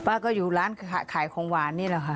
ป้าก็อยู่ร้านขายของหวานนี่แหละค่ะ